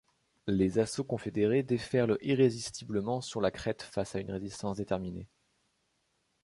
Les assauts confédérés déferlent irrésistiblement sur la crête face à une résistance déterminée.